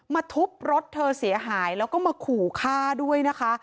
ทุบรถเธอเสียหายแล้วก็มาขู่ฆ่าด้วยนะคะ